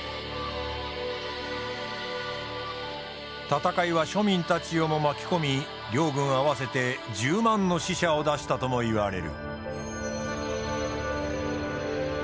戦いは庶民たちをも巻き込み両軍合わせて１０万の死者を出したともいわれる。